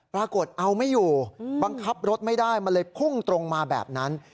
ปรากฏเอาไม่อยู่บังคับรถไม่ได้มันเลยพุ่งตรงมาแบบนั้น